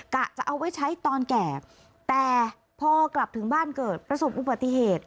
กะจะเอาไว้ใช้ตอนแก่แต่พอกลับถึงบ้านเกิดประสบอุบัติเหตุ